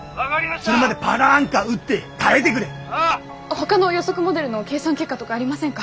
ほかの予測モデルの計算結果とかありませんか？